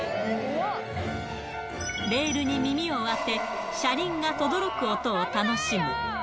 レールに耳を当て、車輪がとどろく音を楽しむ。